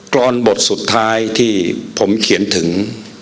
รอนบทสุดท้ายที่ผมเขียนถึง